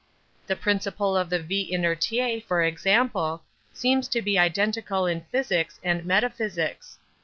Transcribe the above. The principle of the vis inertiæ, for example, seems to be identical in physics and metaphysics.